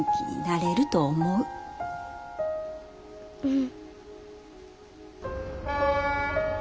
うん。